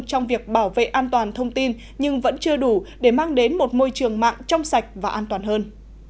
trong việc bảo vệ an toàn thông tin nhưng vẫn chưa đủ để mang đến một môi trường mạng trong sạch và an toàn hơn